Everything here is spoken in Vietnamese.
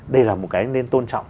đây là một cái nên tôn trọng